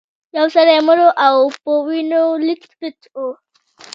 یو سړی مړ و او په وینو لیت پیت و.